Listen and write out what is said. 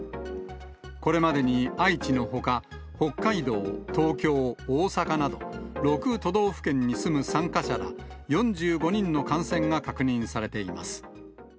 これまでに愛知のほか、北海道、東京、大阪など、６都道府県に住む参加者ら４５人の感染が確認されています。